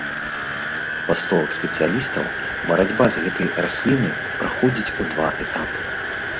Па словах спецыялістаў, барацьба з гэтай раслінай праходзіць у два этапы.